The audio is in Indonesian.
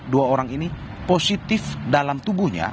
dua orang ini positif dalam tubuhnya